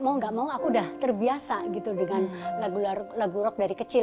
mau gak mau aku udah terbiasa gitu dengan lagu rock dari kecil